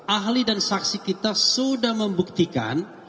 ahli dan saksi kita sudah membuktikan